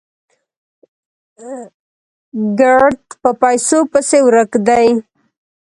ګړد په پيسو پسې ورک دي